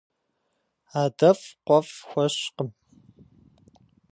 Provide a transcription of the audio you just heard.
Адэфӏ къуэфӏ хуэщкъым.